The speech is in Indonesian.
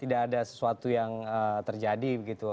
tidak ada sesuatu yang terjadi begitu